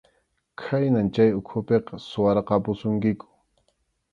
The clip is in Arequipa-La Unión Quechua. Khaynan chay ukhupiqa suwarqapusunkiku.